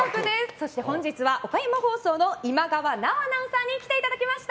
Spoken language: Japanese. そして本日は岡山放送の今川菜緒アナウンサーに来ていただきました。